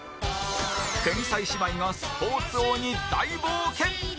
天才姉妹が『スポーツ王』に大冒険！